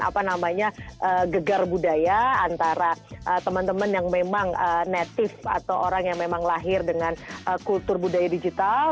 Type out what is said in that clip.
apa namanya gegar budaya antara teman teman yang memang native atau orang yang memang lahir dengan kultur budaya digital